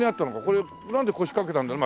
これなんで腰掛けたんだろう？